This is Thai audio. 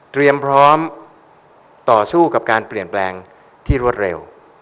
พร้อมต่อสู้กับการเปลี่ยนแปลงที่รวดเร็ว